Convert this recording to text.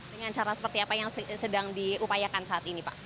dengan cara seperti apa yang sedang diupayakan saat ini pak